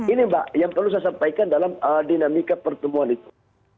ini mbak yang perlu saya sampaikan dalam dinamika pertemuan itu